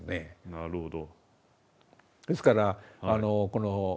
なるほど。